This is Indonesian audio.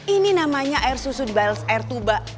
ini namanya air susu dibalas air tuba